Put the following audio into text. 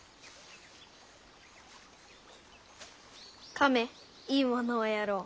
亀いいものをやろう。